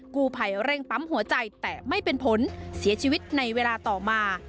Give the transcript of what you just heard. กู้ภัยเร่งปั๊มหัวใจแต่ไม่เป็นผลเสียชีวิตในเวลาต่อมา